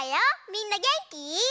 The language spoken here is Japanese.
みんなげんき？